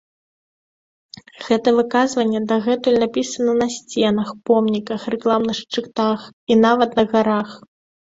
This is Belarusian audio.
Гэта выказванне дагэтуль напісана на сценах, помніках, рэкламных шчытах і нават на гарах.